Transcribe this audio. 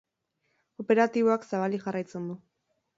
Operatiboak zabalik jarraitzen du.